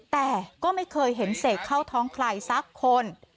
แต่ก็ไม่เคยเห็นเสกเข้าท้องใครสักคน